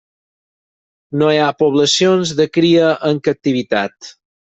No hi ha poblacions de cria en captivitat.